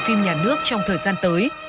phim nhà nước trong thời gian tới